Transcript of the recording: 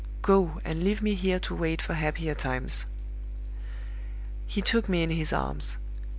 go, and leave me here to wait for happier times.' "He took me in his arms.